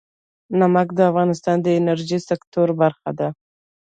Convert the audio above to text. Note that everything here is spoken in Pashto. نمک د افغانستان د انرژۍ سکتور برخه ده.